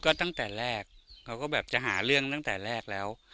ก็ตั้งแต่แรกเขาก็แบบจะหาเรื่องตั้งแต่แรกแล้ว